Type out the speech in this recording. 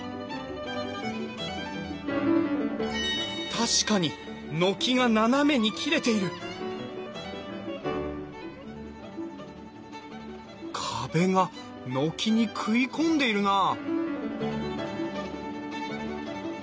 確かに軒が斜めに切れている壁が軒に食い込んでいるなあ